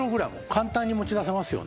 簡単に持ち出せますよね。